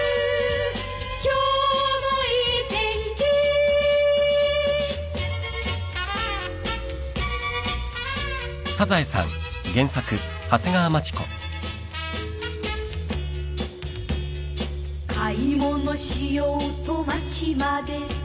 「今日もいい天気」「買い物しようと街まで」